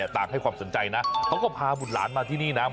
ต่างให้ความสนใจนะเขาก็พาบุตรหลานมาที่นี่นะ